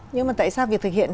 nhưng mà tại sao việc thực hiện